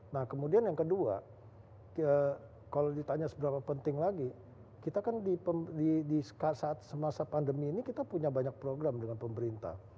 nah kemudian yang kedua kalau ditanya seberapa penting lagi kita kan di saat semasa pandemi ini kita punya banyak program dengan pemerintah